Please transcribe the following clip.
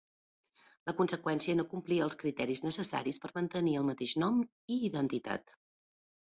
En conseqüència, no complia els criteris necessaris per mantenir el mateix nom i identitat.